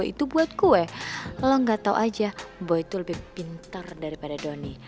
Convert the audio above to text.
nah boy itu buat kue lo gak tau aja boy itu lebih pintar daripada donny